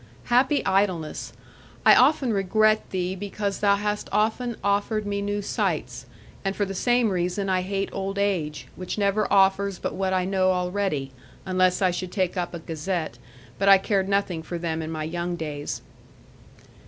Happy idleness! I often regret thee because thou hast often offered me new sights, and for the same reason I hate old age which never offers but what I know already, unless I should take up a gazette, but I cared nothing for them in my young days.